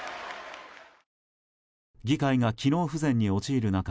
議会が機能不全に陥る中